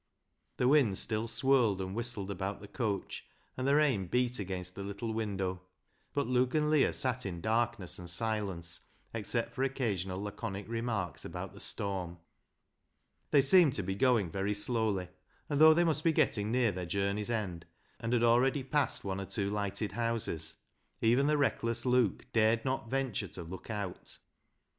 The wind still swirled and whistled about the coach, and the rain beat against the little window, but Luke and Leah sat in darkness and silence except for occasional laconic remarks about the storm. They seemed to be going very slowly, and though they must be getting near their journey's end, and had already passed one or two lighted houses, even the reckless Luke dared not venture to look out.